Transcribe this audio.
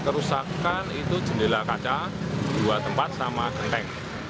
kerusakan itu jendela kaca dua tempat sama genteng